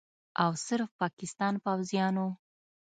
او صرف پاکستان پوځیانو